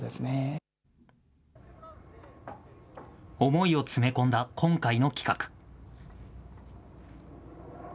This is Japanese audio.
思いを詰め込んだ今回の企画。